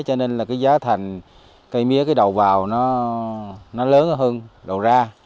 cho nên là cái giá thành cây mía cái đầu vào nó lớn hơn đầu ra